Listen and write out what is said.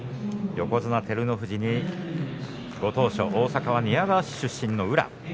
横綱照ノ富士にご当所大阪は寝屋川市出身の宇良。